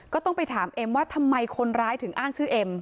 ก็ต้องไปถามเอ็มว่าทำไมคนร้ายถึงอ้างชื่อเอ็ม